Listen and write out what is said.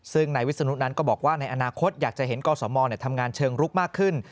ซึ่งนายวิศนุนั้นก็บอกว่าในอนาคตอยากจะเห็นกสมทำงานเชิงลุกมากขึ้น